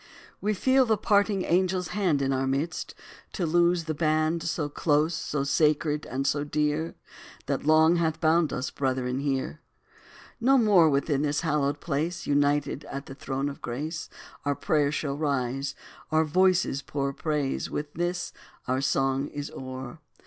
We feel the parting angel's hand Is in our midst, to loose the band So close, so sacred, and so dear, That long hath bound us, brethren, here. No more within this hallowed place, United at the throne of grace, Our prayers shall rise our voices pour In praise, when this, our song is o'er.